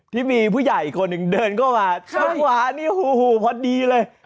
ที่มีผู้ใหญ่อีกคนหนึ่งเดินเข้ามาจังหวะนี้หูพอดีเลย